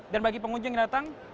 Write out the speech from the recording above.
dan bagi pengunjung yang datang